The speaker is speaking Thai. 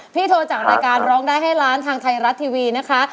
โทรจากรายการร้องได้ให้ล้านทางไทยรัฐทีวีนะคะ